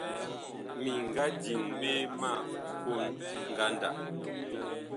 Mi nga diŋ ɓe ma kon ngandag.